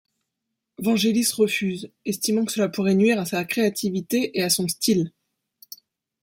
Vangelis refuse, estimant que cela pourrait nuire à sa créativité et à son style.